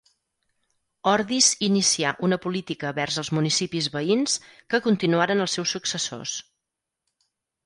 Ordis inicià una política vers els municipis veïns, que continuaren els seus successors.